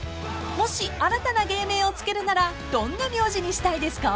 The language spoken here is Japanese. ［もし新たな芸名を付けるならどんな名字にしたいですか？］